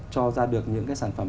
cho ra được những cái sản phẩm